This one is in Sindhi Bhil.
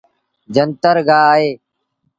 جنتر گآه اهي۔